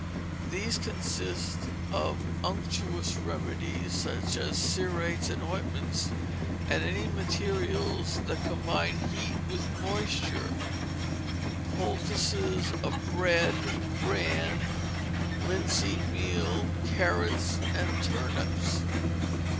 These consist of unctuous remedies, such as cerates and ointments, and any materials that combine heat with moisture, poultices of bread, bran, linseed meal, carrots, and turnips.